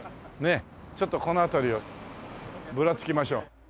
ちょっとこの辺りをぶらつきましょう。